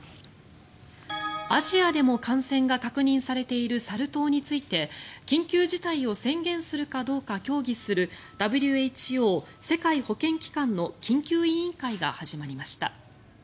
アジアでも感染が確認されているサル痘について緊急事態を宣言するかどうか協議するＷＨＯ・世界保健機関の緊急委員会が始まりました。